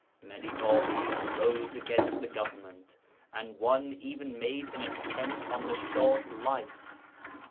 Many Bābīs rose against the government, and one even made an attempt on the Shah's life.